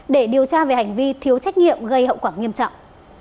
để điều tra về hành vi thiếu trách nhiệm gây hậu quả nghiêm trọng